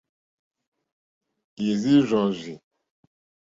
Ì rzí rzɔ́rzí.